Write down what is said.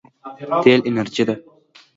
تېل انرژي ده.